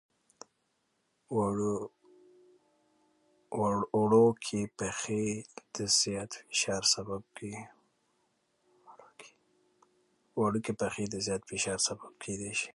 وړوکي پېښې د زیات فشار سبب کېدای شي.